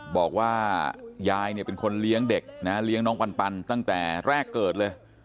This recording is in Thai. บอกว่ายายเนี่ยเป็นคนเลี้ยงเด็กนะเลี้ยงน้องปันตั้งแต่แรกเกิดเลย